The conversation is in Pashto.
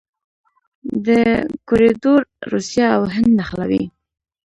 دا کوریډور روسیه او هند نښلوي.